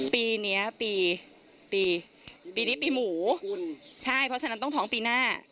ปีนี้ปีปีนี้ปีหมูใช่เพราะฉะนั้นต้องท้องปีหน้า